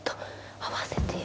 合わせてよ。